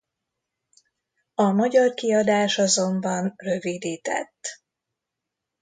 A magyar kiadás azonban rövidített.